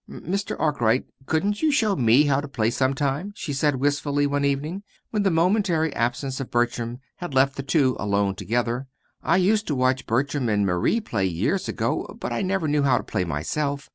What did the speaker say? "Mr. Arkwright, couldn't you show me how to play, sometime?" she said wistfully, one evening, when the momentary absence of Bertram had left the two alone together. "I used to watch Bertram and Marie play years ago; but I never knew how to play myself.